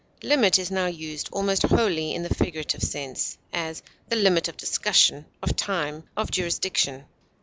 Limit is now used almost wholly in the figurative sense; as, the limit of discussion, of time, of jurisdiction.